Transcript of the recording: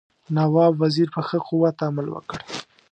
نواب وزیر په ښه قوت عمل وکړ.